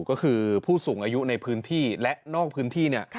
ก็คือผู้สูงอายุในพื้นที่และนอกพื้นที่